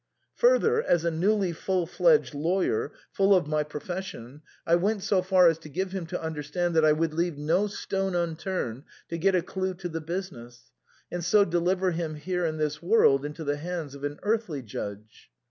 Further, as a newly full fledged lawyer, full of my THE CREMONA VIOLIN. 21 profession, I went so far as to give him to understand that I would leave no stone unturned to get a chie to the business, and so deliver him here in this world into the hands of an earthly judge.